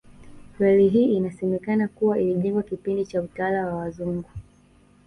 Reli hii inasemekana kuwa ilijengwa kipindi cha utawala wa wazungu